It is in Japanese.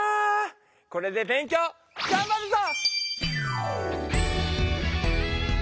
これで勉強がんばるぞ！